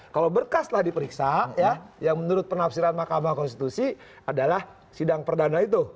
kalau berkas telah diperiksa yang menurut penafsiran mahkamah konstitusi adalah sidang perdana itu